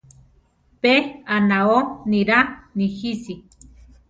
Pe anao niraa nijisi.